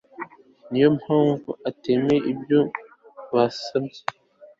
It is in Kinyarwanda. Niyo mpamvu atemeye ibyo basabye